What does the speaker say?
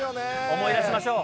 思い出しましょう。